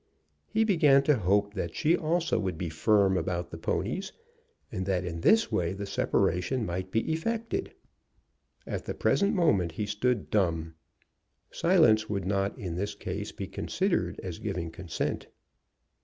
He began to hope that she also would be firm about the ponies, and that in this way the separation might be effected. At the present moment he stood dumb. Silence would not in this case be considered as giving consent.